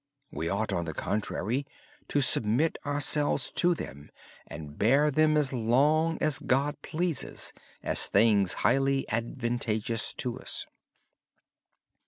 We ought, on the contrary, to submit ourselves to them and bear them as long as God pleases as things highly advantageous to us.